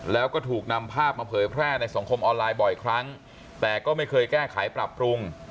แล้วก็ถูกนำภาพมาเผยแพร่ในสังคมออนไลน์บ่อยครั้งแต่ก็ไม่เคยแก้ไขปรับปรุง